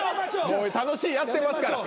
もう楽しいやってますから。